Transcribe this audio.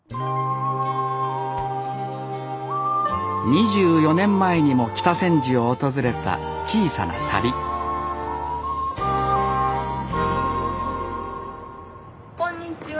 ２４年前にも北千住を訪れた「小さな旅」こんにちは。